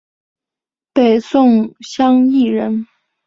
北宋襄邑人。